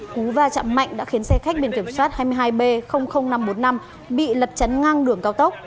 cú va chạm mạnh đã khiến xe khách biển kiểm soát hai mươi hai b năm trăm bốn mươi năm bị lật chắn ngang đường cao tốc